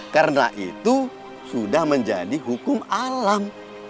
karena itu sudah menjadi hukum alam